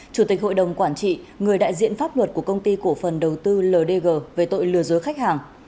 chủ tịch hội đồng quản trị người đại diện pháp luật của công ty cổ phần đầu tư ldg về tội lừa dối khách hàng